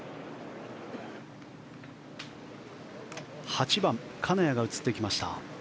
８番、金谷が映ってきました。